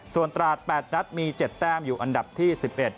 ส่วนตราด๘นัดมี๗แต้มอยู่อันดับที่๑๑